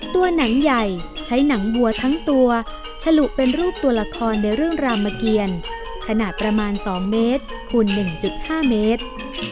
ตัวหนังใหญ่ใช้หนังวัวทั้งตัวฉลุเป็นรูปตัวละครในเรื่องรามเกียรขนาดประมาณ๒เมตรคูณ๑๕เมตร